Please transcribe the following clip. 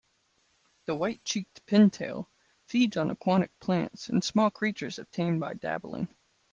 The white-cheeked pintail feeds on aquatic plants and small creatures obtained by dabbling.